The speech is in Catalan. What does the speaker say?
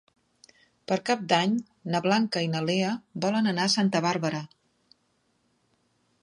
Per Cap d'Any na Blanca i na Lea volen anar a Santa Bàrbara.